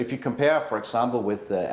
di mana anda harus menyelamatkan diri anda